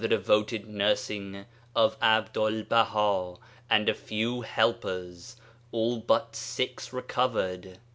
10 devoted nursing of Abdul Baha and a few helpers all but six recovered.